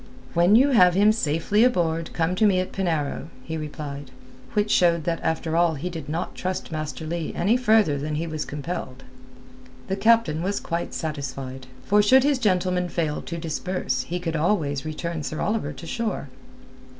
"When you have him safely aboard come to me at Penarrow," he replied, which showed that after all he did not trust Master Leigh any further than he was compelled. The captain was quite satisfied. For should his gentleman fail to disburse he could always return Sir Oliver to shore.